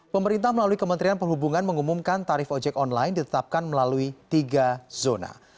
pemerintah melalui kementerian perhubungan mengumumkan tarif ojek online ditetapkan melalui tiga zona